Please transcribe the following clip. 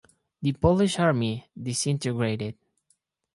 The Polish Army disintegrated.